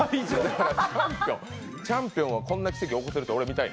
チャンピオンはこんな奇跡起こせるって見たい。